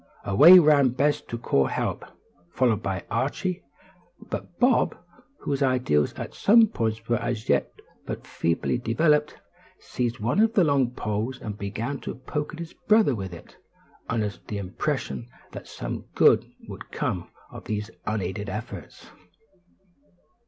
Away ran Bess to call help, followed by Archie; but Bob, whose ideas on some points were as yet but feebly developed, seized one of the long poles, and began to poke at his brother with it, under the impression that some good would come of these unaided efforts.